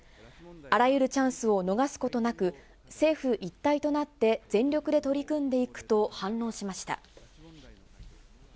あらゆるチャンスを逃すことなく、政府一体となって全力で取り組んでいくと反論しました。